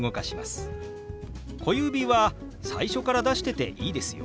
小指は最初から出してていいですよ。